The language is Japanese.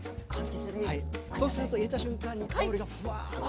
そうすると入れた瞬間に香りがふわっと。